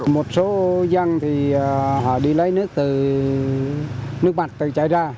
một số dân thì họ đi lấy nước bạc từ trái ra